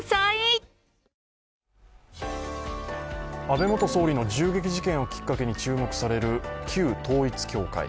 安倍元総理の銃撃事件をきっかけに注目される旧統一教会。